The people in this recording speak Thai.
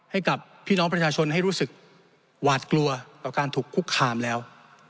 ให้กับพี่น้องประชาชนให้รู้สึกหวาดกลัวต่อการถูกคุกคามแล้ว